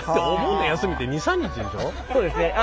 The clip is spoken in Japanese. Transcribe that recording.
そうですね。